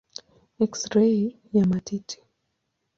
Eksirei ya matiti.